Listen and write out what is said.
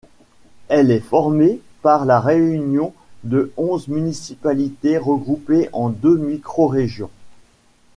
Elle est formée par la réunion de onze municipalités regroupées en deux microrégions.